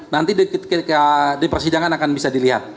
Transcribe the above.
nanti di persidangan akan bisa dilihat